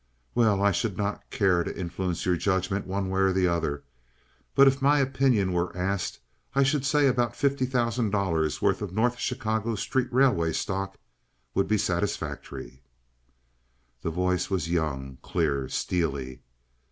"Well, I should not care to influence your judgment one way or the other; but if my opinion were asked I should say about fifty thousand dollars' worth of North Chicago Street Railway stock would be satisfactory." The voice was young, clear, steely.